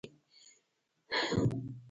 که ښیګڼې یې نه درلودلې فیلسوف به درنه جوړ شي.